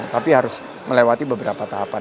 tapi harus melewati beberapa tahapan